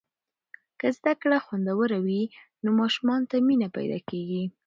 که زده کړه خوندوره وي، نو ماشومانو ته مینه پیدا کیږي.